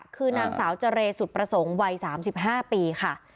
คือนางสาวเจรสุดประสงค์วัย๓๕ปีค่ะ